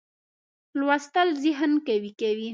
لوستل زه قوي کوي.